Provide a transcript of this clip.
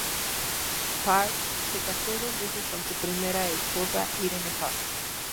Paar se casó dos veces con su primera esposa, Irene Paar.